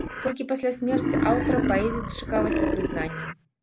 Толькі пасля смерці аўтара паэзія дачакалася прызнання.